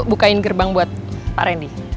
bukain gerbang buat pak randy